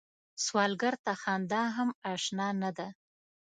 سوالګر ته خندا هم اشنا نه ده